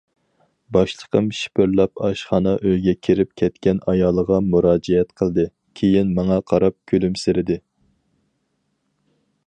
باشلىقىم شىپىرلاپ ئاشخانا ئۆيگە كىرىپ كەتكەن ئايالىغا مۇراجىئەت قىلدى، كېيىن ماڭا قاراپ كۈلۈمسىرىدى!